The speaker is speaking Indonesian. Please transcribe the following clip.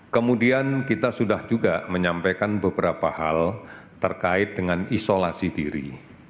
kemudian kita sudah juga menyampaikan beberapa hal terkait dengan isolasi diri